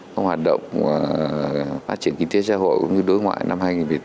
trong hoạt động phát triển kinh tế xã hội cũng như đối ngoại năm hai nghìn một mươi tám